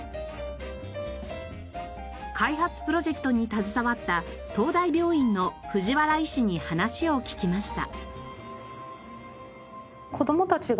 開発プロジェクトに携わった東大病院の藤原医師に話を聞きました。